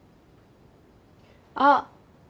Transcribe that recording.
あっ。